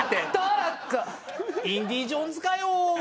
『インディ・ジョーンズ』かよ。